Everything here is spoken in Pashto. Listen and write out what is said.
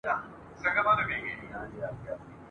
د کتاب لوستل د فکر پراختيا او د نويو نظرونو سرچينه ده !.